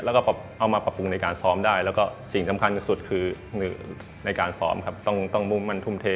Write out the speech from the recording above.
แล้วก็เอามาปรับปรุงในการซ้อมได้แล้วก็สิ่งสำคัญที่สุดคือหนึ่งในการซ้อมครับต้องมุ่งมั่นทุ่มเท